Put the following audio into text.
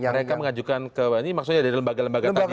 mereka mengajukan ke maksudnya dari lembaga lembaga tadi itu ya